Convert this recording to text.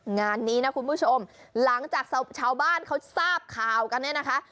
งานนี้นะคุณผู้ชมหลังจากชาวบ้านเขาทราบข่าวกันเนี่ยนะคะ